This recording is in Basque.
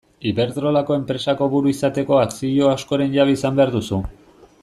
Iberdrolako enpresako buru izateko akzio askoren jabe izan behar duzu.